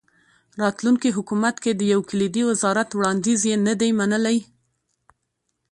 راتلونکي حکومت کې د یو کلیدي وزارت وړاندیز یې نه دی منلی.